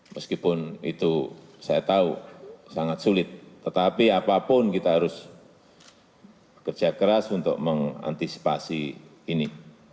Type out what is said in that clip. meskipun itu saya tahu sangat sulit tetapi apapun kita harus kerja keras untuk mengantisipasi ini